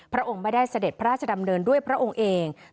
องค์ไม่ได้เสด็จพระราชดำเนินด้วยพระองค์เอง